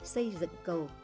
xây dựng cầu